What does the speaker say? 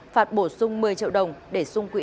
phạt bổ sung một mươi triệu đồng để sung quỹ